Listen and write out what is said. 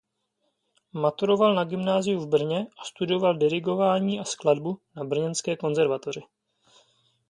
Maturoval na gymnáziu v Brně a studoval dirigování a skladbu na brněnské konzervatoři.